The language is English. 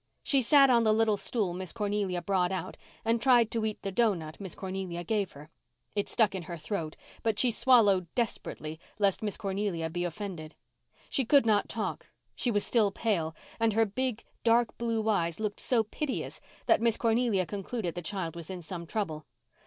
She sat on the little stool Miss Cornelia brought out and tried to eat the doughnut Miss Cornelia gave her. It stuck in her throat, but she swallowed desperately lest Miss Cornelia be offended. She could not talk; she was still pale; and her big, dark blue eyes looked so piteous that Miss Cornelia concluded the child was in some trouble.